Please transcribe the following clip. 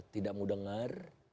tidak mau dengar